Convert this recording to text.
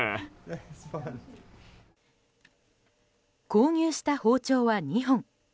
購入した包丁は２本。